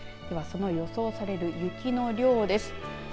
ではその予想される雪の量です。